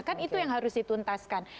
kan itu yang harus dituntaskan